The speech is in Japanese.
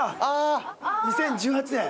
２０１８年。